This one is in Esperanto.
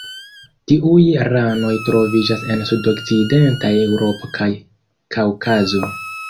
Tiuj ranoj troviĝas en sudokcidenta Eŭropo kaj Kaŭkazo.